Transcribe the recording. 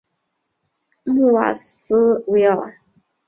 穆瓦斯维尔。